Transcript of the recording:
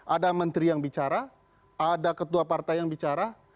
ada menteri yang bicara ada ketua partai yang bicara